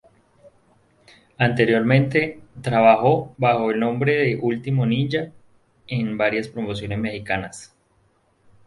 Anteriormente, trabajó bajo el nombre de Último Ninja en varias promociones mexicanas.